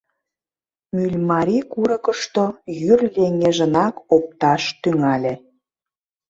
Мӱльмарий курыкышто йӱр леҥежынак опташ тӱҥале.